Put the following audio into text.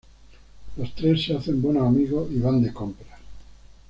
Los tres se hacen buenos amigos y van de compras.